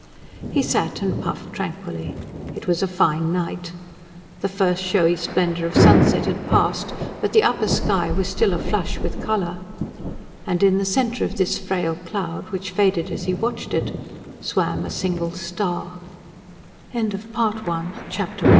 He sat and puffed, tranquilly. It was a fine night. The first showy splendour of sunset had passed; but the upper sky was still aflush with colour. And in the centre of this frail cloud, which faded as he watched it, swam a single star. Chapter II With the passing of a cooler air the sleeper